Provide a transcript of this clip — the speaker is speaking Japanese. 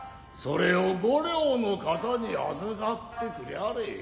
それを五両の形に預かってくりゃれ。